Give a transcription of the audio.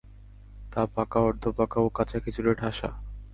তা পাকা, অর্ধপাকা ও কাঁচা খেজুরে ঠাসা।